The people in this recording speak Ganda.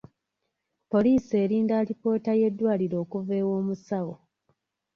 Poliisi erinda alipoota y'eddwaliro okuva ew'omusawo.